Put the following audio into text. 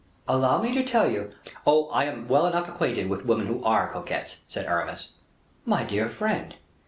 "Allow me to tell you " "Oh! I am well enough acquainted with women who are coquettes," said Aramis. "My dear friend!"